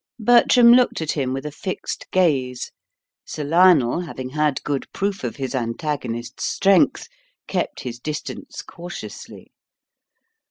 Bertram looked at him with a fixed gaze. Sir Lionel, having had good proof of his antagonist's strength, kept his distance cautiously.